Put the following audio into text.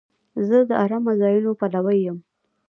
زه د آرامه ځایونو پلوی یم.